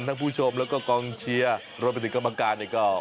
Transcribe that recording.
ทั้งผู้ชมและก็กองเชียร์รวมเป็นหนึ่งกรรมการ